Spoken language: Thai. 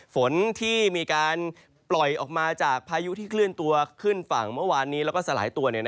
ฝนที่มีการปล่อยออกมาจากพายุที่เคลื่อนตัวขึ้นฝั่งเมื่อวานนี้แล้วก็สลายตัว